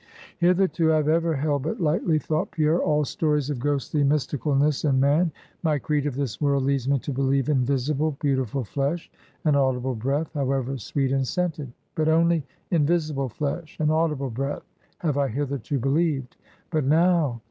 Hitherto I have ever held but lightly, thought Pierre, all stories of ghostly mysticalness in man; my creed of this world leads me to believe in visible, beautiful flesh, and audible breath, however sweet and scented; but only in visible flesh, and audible breath, have I hitherto believed. But now!